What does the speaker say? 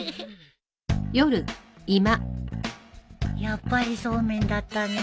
やっぱりそうめんだったね。